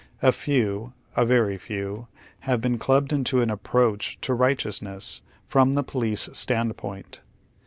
A few, a vei'y few, have been clubbed into an approach to righteousness from the police standpoint.